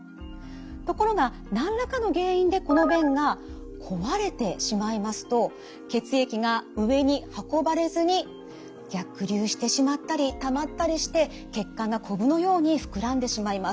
ところが何らかの原因でこの弁が壊れてしまいますと血液が上に運ばれずに逆流してしまったりたまったりして血管がこぶのように膨らんでしまいます。